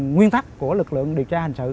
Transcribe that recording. nguyên thắc của lực lượng điều tra hành sự